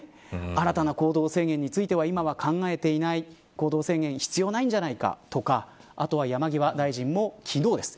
新たな行動制限については今は考えていない行動制限必要ないんじゃないかとか山際大臣も昨日です。